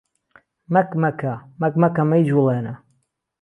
مهک مهکه، مهک مهکه مهیجۆڵێنه